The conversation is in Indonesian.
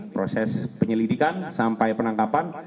proses penyelidikan sampai penangkapan